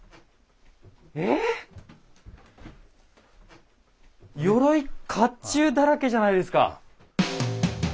ええ⁉鎧甲冑だらけじゃないですか！